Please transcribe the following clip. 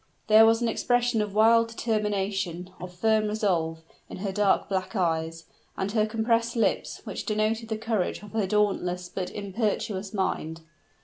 There was an expression of wild determination, of firm resolve, in her dark black eyes and her compressed lips which denoted the courage of her dauntless but impetuous mind.